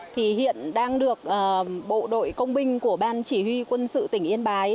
thì hiện đang được bộ đội công binh của ban chỉ huy quân sự tỉnh yên bái